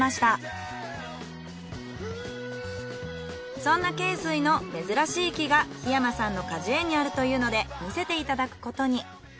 そんな恵水の珍しい木が檜山さんの果樹園にあるというので見せていただくことに。